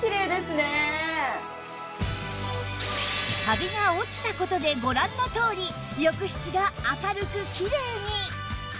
カビが落ちた事でご覧のとおり浴室が明るくキレイに！